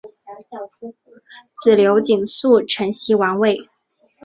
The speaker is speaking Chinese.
子刘景素承袭王位。